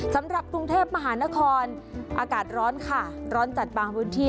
สำหรับกรุงเทพมหานครอากาศร้อนค่ะร้อนจัดบางพื้นที่